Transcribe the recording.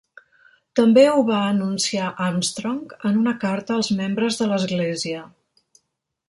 També ho va anunciar Armstrong en una carta als membres de l'església.